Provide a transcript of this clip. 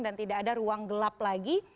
dan tidak ada ruang gelap lagi